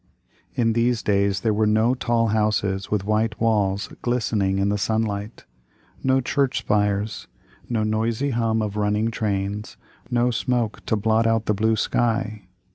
In these days there were no tall houses with white walls glistening in the sunlight, no church spires, no noisy hum of running trains, no smoke to blot out the blue sky.